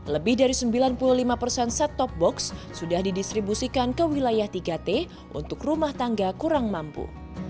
lebih dari sembilan puluh lima persen set top box sudah didistribusikan ke wilayah tiga t untuk rumah tangga kurang mampu